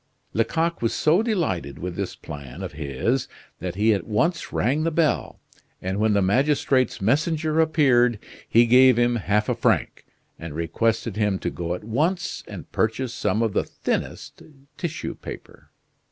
Lecoq was so delighted with this plan of his that he at once rang the bell, and when the magistrate's messenger appeared, he gave him half a franc and requested him to go at once and purchase some of the thinnest tissue paper.